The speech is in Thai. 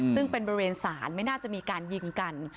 ซึ่งเป็นบริเวณศาลไม่น่าจะมีการยิงกัน